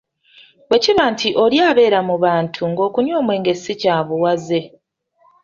Bwekiba nti oli abeera mu bantu ng'okunywa omwenge si kya buwaze.